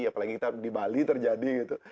apalagi kita di bali terjadi gitu